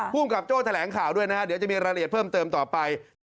ภูมิกับโจ้แถลงข่าวด้วยนะฮะเดี๋ยวจะมีรายละเอียดเพิ่มเติมต่อไป